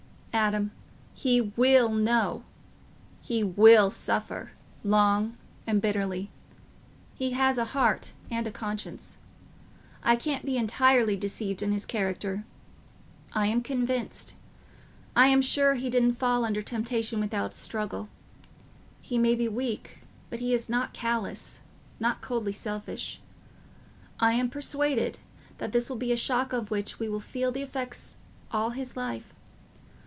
"Adam, he will know—he will suffer, long and bitterly. He has a heart and a conscience: I can't be entirely deceived in his character. I am convinced—I am sure he didn't fall under temptation without a struggle. He may be weak, but he is not callous, not coldly selfish. I am persuaded that this will be a shock of which he will feel the effects all his life.